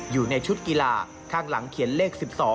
อยู่ในชุดกีฬาข้างหลังเขียนเลข๑๒